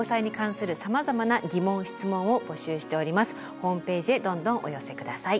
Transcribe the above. ホームページへどんどんお寄せ下さい。